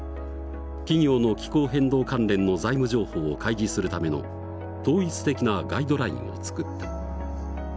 企業の気候変動関連の財務情報を開示するための統一的なガイドラインを作った。